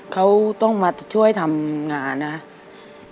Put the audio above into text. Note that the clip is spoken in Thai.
เขาต้องมาช่วยทำงานนะครับ